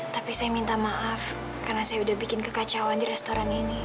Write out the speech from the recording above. tapi saya minta maaf karena saya sudah bikin kekacauan di restoran ini